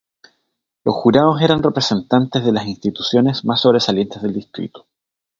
Los jurados eran representantes de las instituciones más sobresalientes del distrito.